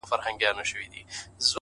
هره ورځ د نوي اثر پرېښودلو چانس لري!